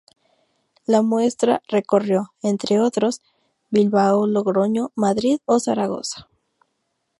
La muestra recorrió, entre otros, Bilbao, Logroño, Madrid o Zaragoza.